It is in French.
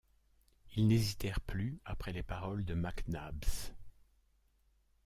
Ils n’hésitèrent plus après les paroles de Mac Nabbs.